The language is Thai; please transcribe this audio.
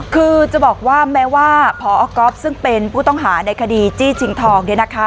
คือจะบอกว่าแม้ว่าพอก๊อฟซึ่งเป็นผู้ต้องหาในคดีจี้ชิงทองเนี่ยนะคะ